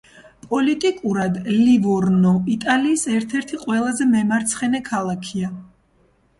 პოლიტიკურად, ლივორნო იტალიის ერთ-ერთი ყველაზე მემარცხენე ქალაქია.